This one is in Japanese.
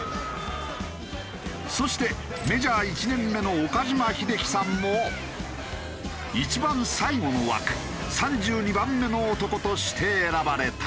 そしてメジャー１年目の岡島秀樹さんも一番最後の枠３２番目の男として選ばれた。